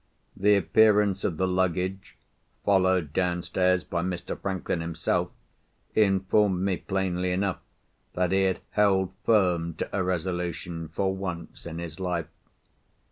The appearance of the luggage, followed downstairs by Mr. Franklin himself, informed me plainly enough that he had held firm to a resolution for once in his life.